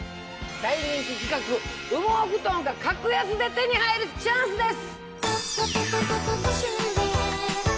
大人気企画羽毛ふとんが格安で手に入るチャンスです！